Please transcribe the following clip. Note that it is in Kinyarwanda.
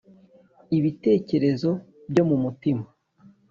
Ibitekerezo byo mu mutima